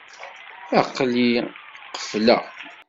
Aql-i qefleɣ.